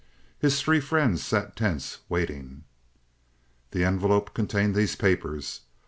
His three friends sat tense, waiting. "The envelope contained these papers.